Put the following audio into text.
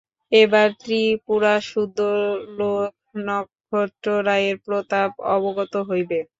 এবার ত্রিপুরাসুদ্ধ লোক নক্ষত্ররায়ের প্রতাপ অবগত হইবে।